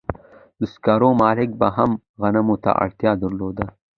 د سکارو مالک به هم غنمو ته اړتیا درلوده